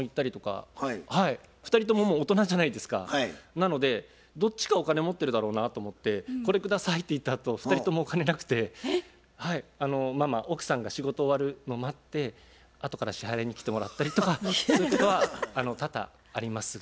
なのでどっちかお金持ってるだろうなと思って「これください」って言ったあと２人ともお金無くてママ奥さんが仕事終わるの待って後から支払いに来てもらったりとかそういうことは多々ありますが。